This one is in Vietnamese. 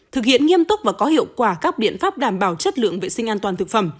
thực hiện nghiêm túc và có hiệu quả các biện pháp đảm bảo chất lượng vệ sinh an toàn thực phẩm